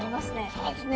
そうですね。